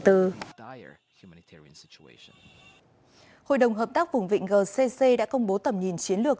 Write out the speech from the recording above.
hội đồng hợp tác vùng vịnh gcc đã công bố tầm nhìn chiến lược